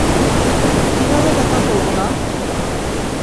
কিভাবে দেখা করবো না?